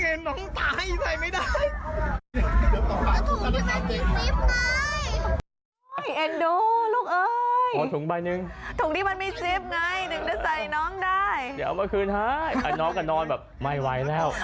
เดี๋ยวเอามาคืนให้คลาน้องกันนอนไม่ไหวอีกแล้ว